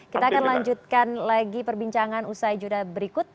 kita akan lanjutkan lagi perbincangan usai judah berikut